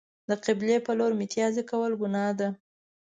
د قبلې په لور میتیاز کول گناه ده.